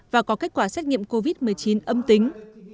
và có kết quả xét nghiệm covid một mươi chín âm tính